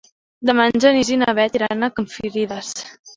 Demà en Genís i na Bet iran a Confrides.